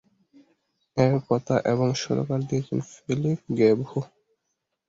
এর কথা এবং সুরকার দিয়েছেন ফিলিপ গেবহো।